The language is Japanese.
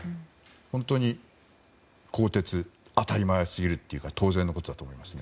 本当に、更迭は当たり前すぎるというか当然のことだと思いますね。